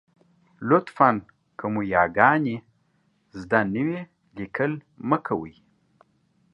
لطفاً! که مو یاګانې زده نه وي، لیکل مه کوئ.